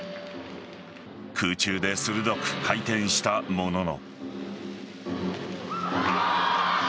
空中で鋭く回転したものの。